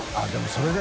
それで。